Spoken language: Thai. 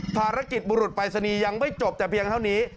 ภารกิจบุรุษปรายศนีย์ยังไม่จบแต่เพียงเท่านี้